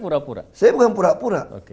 pura pura saya bukan pura pura